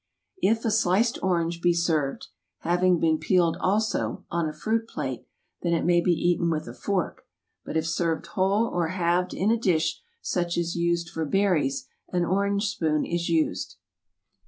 If a sliced orange be served (having been peeled also) on a fruit plate, then it may be eaten with a fork, but if served whole or halved in a dish such as used for berries, an orange spoon is used.